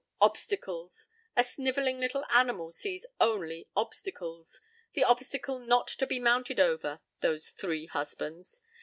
Obstacles! A sniveling little animal sees only obstacles. The obstacle not to be mounted over—those three husbands.